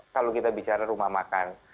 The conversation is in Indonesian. kalau kita bicara rumah makan